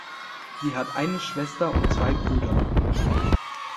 Sie hat eine Schwester und zwei Brüder.